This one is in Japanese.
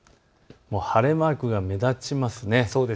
晴れマークが目立ちますね。